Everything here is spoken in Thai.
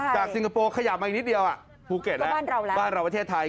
สิงคโปร์ขยับมาอีกนิดเดียวภูเก็ตแล้วบ้านเราประเทศไทย